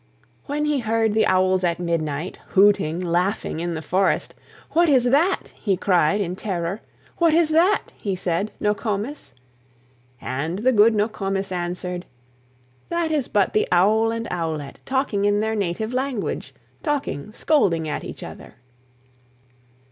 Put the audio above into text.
When he heard the owls at midnight, Hooting, laughing in the forest, "What is that?" he cried, in terror; "What is that," he said, "Nokomis?" And the good Nokomis answered: "That is but the owl and owlet, Talking in their native language, Talking, scolding at each other."